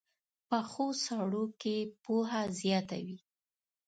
پخو سړو کې پوهه زیاته وي